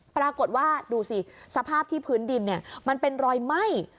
ปรากฏว่าดูสิสภาพที่พื้นดินเนี่ยมันเป็นรอยไหม้